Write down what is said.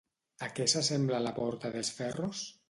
A què s'assembla la Porta dels Ferros?